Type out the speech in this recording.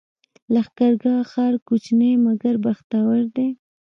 لښکرګاه ښار کوچنی مګر بختور دی